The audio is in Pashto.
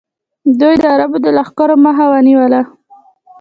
دوی د عربو د لښکرو مخه ونیوله